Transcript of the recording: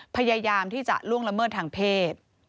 พยายามที่จะล่วงละเมิดทางเพศ